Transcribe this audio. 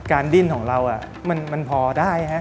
การดิ้นของเรามันพอได้